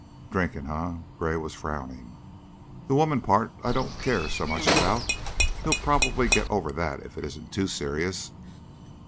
"Drinking, eh?" Gray was frowning. "The woman part I don't care so much about he'll probably get over that if it isn't too serious.